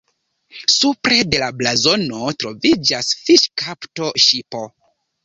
Supre de la blazono troviĝas fiŝkapto-ŝipo.